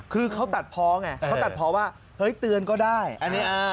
คือเขาตัดพอไงเขาตัดเพราะว่าเฮ้ยเตือนก็ได้อันนี้อ่า